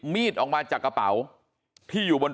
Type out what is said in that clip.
มันต้องการมาหาเรื่องมันจะมาแทงนะ